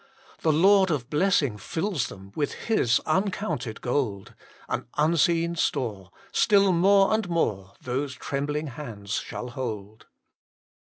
The Lord of Blessing fills them With His uncounted gold, An unseen store, Still more and more, Those trembling hands shall hold.